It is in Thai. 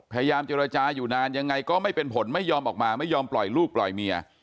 พยายามเจรจาอยู่นานยังไงก็ไม่เป็นผลไม่ยอมออกมาไม่ยอมปล่อยลูกปล่อยเมีย